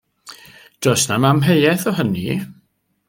Does na'm amheuaeth o hynny.